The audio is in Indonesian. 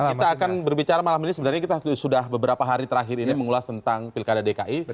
kita akan berbicara malam ini sebenarnya kita sudah beberapa hari terakhir ini mengulas tentang pilkada dki